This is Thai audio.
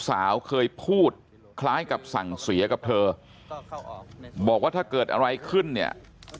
สาวเคยพูดคล้ายกับสั่งเสียกับเธอบอกว่าถ้าเกิดอะไรขึ้นเนี่ย